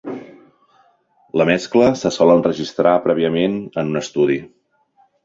La mescla se sol enregistrar prèviament en un estudi.